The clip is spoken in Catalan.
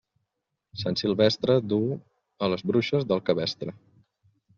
Sant Silvestre du a les bruixes del cabestre.